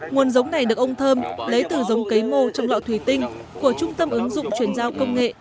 nguồn giống này được ông thơm lấy từ giống cây mô trong lọ thủy tinh của trung tâm ứng dụng chuyển giao công nghệ